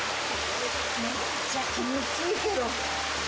めっちゃ気持ちいいけど。